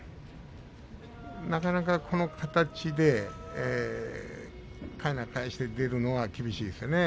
なかなか、こういう形でかいな返して出るのは厳しいですよね。